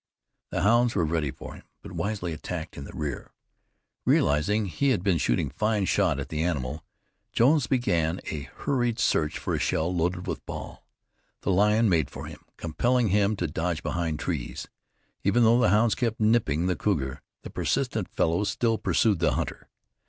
The hounds were ready for him, but wisely attacked in the rear. Realizing he had been shooting fine shot at the animal, Jones began a hurried search for a shell loaded with ball. The lion made for him, compelling him to dodge behind trees. Even though the hounds kept nipping the cougar, the persistent fellow still pursued the hunter.